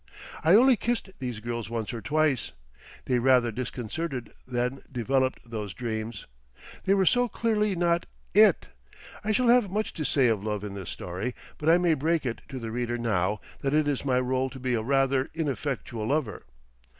I only kissed these girls once or twice. They rather disconcerted than developed those dreams. They were so clearly not "it." I shall have much to say of love in this story, but I may break it to the reader now that it is my role to be a rather ineffectual lover.